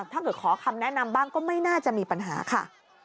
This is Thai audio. ขอคำแนะนำบ้างก็ไม่น่าจะมีปัญหาค่ะ